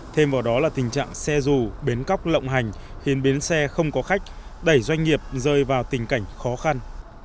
thêm vào đó là tình trạng xe dù bến cóc lộng hành khiến bến xe không có khách đẩy doanh nghiệp rơi vào tình cảnh khó khăn